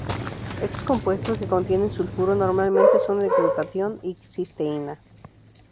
Estos compuestos que contienen sulfuro normalmente son el glutatión y la cisteína.